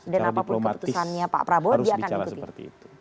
dan apapun keputusannya pak prabowo dia akan ikuti